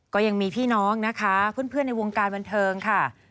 ก็ยังมีพี่น้องนะคะเพื่อนในวงการบันเทิงค่ะ